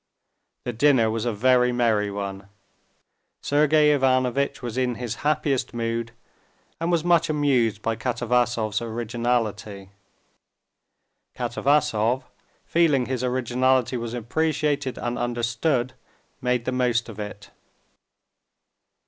The dinner was a very merry one: Sergey Ivanovitch was in his happiest mood, and was much amused by Katavasov's originality. Katavasov, feeling his originality was appreciated and understood, made the most of it.